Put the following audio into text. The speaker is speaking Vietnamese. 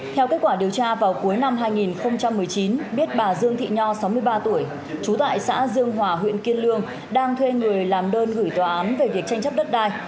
theo kết quả điều tra vào cuối năm hai nghìn một mươi chín biết bà dương thị nho sáu mươi ba tuổi trú tại xã dương hòa huyện kiên lương đang thuê người làm đơn gửi tòa án về việc tranh chấp đất đai